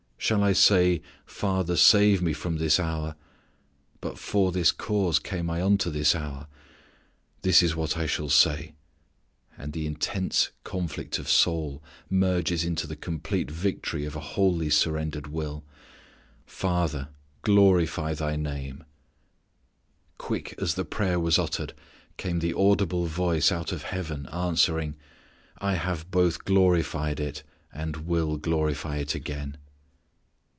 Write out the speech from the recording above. Shall I say, Father save Me from this hour? But for this cause came I unto this hour: this is what I will say (and the intense conflict of soul merges into the complete victory of a wholly surrendered will) Father, glorify Thy name." Quick as the prayer was uttered, came the audible voice out of heaven answering, "I have both glorified it and will glorify it again."